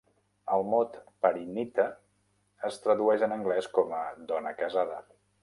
El mot "Parineeta" es tradueix en anglès com a "dona casada".